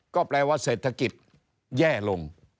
ก็แปลว่าเศรษฐกิจแย่ลง